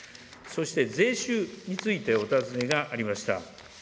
そして、税収についてお尋ねがありました。